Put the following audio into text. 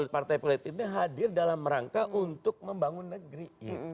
partai politiknya hadir dalam rangka untuk membangun negeri